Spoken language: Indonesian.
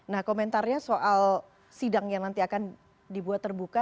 nah komentarnya soal sidang yang nanti akan dibuat terbuka